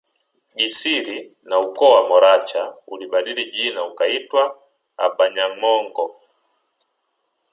Gisiri na ukoo wa Moracha ulibadili jina ukaitwa abanyamongo